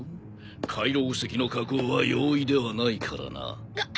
海楼石の加工は容易ではないからな。